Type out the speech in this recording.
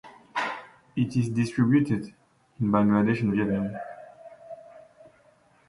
It is distributed in Bangladesh and Vietnam.